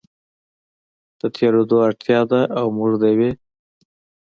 د تېرېدو اړتیا ده او موږ د یوې